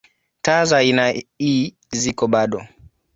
Taa za aina ii ziko bado.